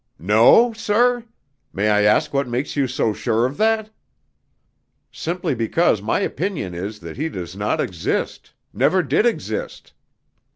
"No, sir? May I ask what makes you so sure of that?" "Simply because my opinion is that he does not exist never did exist."